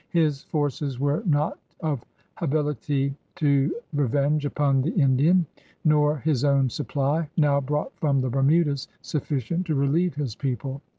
His forces were not of habilitie to revenge upon the Indian, nor his owne supply (now brought from the Bermudas) sufficient to relieve his people.''